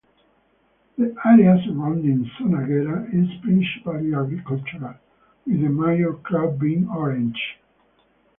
The area surrounding Sonaguera is principally agricultural, with the major crop being oranges.